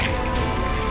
tidak tidak tidak